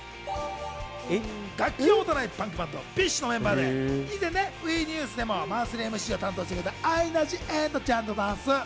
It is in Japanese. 楽器を持たないパンクバンドＢｉＳＨのメンバーで以前ＷＥニュースでマンスリーＭＣを担当してくれたアイナ・ジ・エンドちゃんでございます。